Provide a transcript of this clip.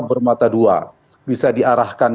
bermata dua bisa diarahkan